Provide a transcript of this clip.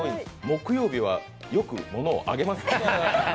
木曜日は、よく物をあげますね。